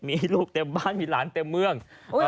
มีลูกเต็มบ้านมีหลานเต็มเมือง